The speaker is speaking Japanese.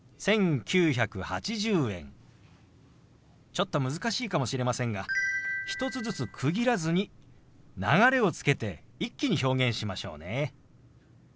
ちょっと難しいかもしれませんが１つずつ区切らずに流れをつけて一気に表現しましょうね。